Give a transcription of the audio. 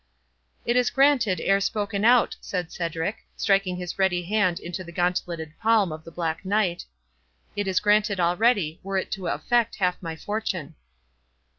"It is granted ere spoken out," said Cedric, striking his ready hand into the gauntleted palm of the Black Knight,—"it is granted already, were it to affect half my fortune."